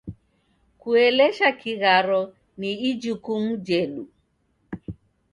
Kuelesha kigharo ni ijukumu jedu.